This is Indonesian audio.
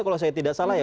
kalau saya tidak salah ya